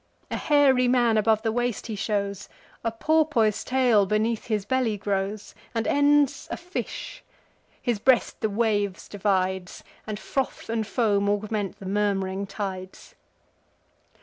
A hairy man above the waist he shows; A porpoise tail beneath his belly grows; And ends a fish: his breast the waves divides, And froth and foam augment the murm'ring tides.